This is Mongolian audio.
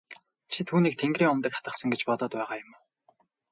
Чи түүнийг тэнгэрийн умдаг атгасан гэж бодоод байгаа юм уу?